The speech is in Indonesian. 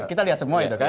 kita lihat semua itu kan